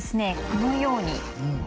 このように。